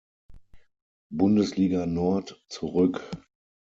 Bundesliga Nord zurück.